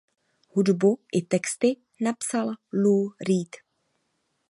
Hudbu i texty napsal Lou Reed.